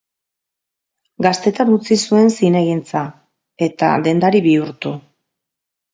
Gaztetan utzi zuen zinegintza eta dendari bihurtu.